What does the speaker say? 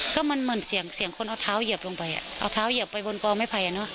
ก็มันเหมือนเสียงเสียงคนเอาเท้าเหยียบลงไปเอาเท้าเหยียบไปบนกองไม้ไผ่เนอะ